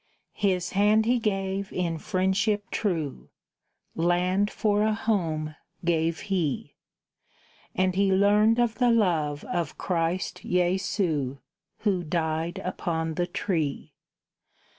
His hand he gave in friendship true, Land for a home gave he; And he learned of the love of Christ Jesu, Who died upon the tree.